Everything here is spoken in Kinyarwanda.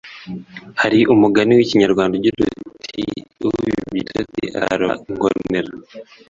Hari umugani w’ikinyarwanda ugira uti “Ubibye ibitotsi asarura ingonera”